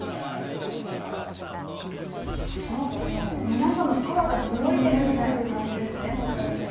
皆さんのパワーが届いているみたいな感じですよね。